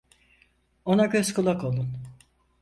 Ona göz kulak olun.